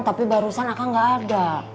tapi barusan akang gak ada